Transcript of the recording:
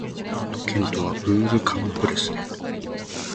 アン県の県都はブール＝カン＝ブレスである